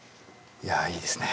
いやいいですね。